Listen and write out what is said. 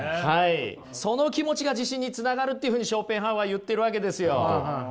その気持ちが自信につながるっていうふうにショーペンハウアーは言ってるわけですよ。